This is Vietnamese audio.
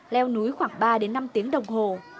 leo núi khoảng ba đến năm tiếng đồng hồ